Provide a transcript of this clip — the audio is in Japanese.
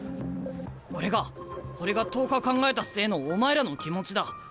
これが俺が１０日考えた末のお前らの気持ちだ。